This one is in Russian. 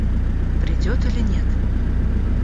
Придет или нет?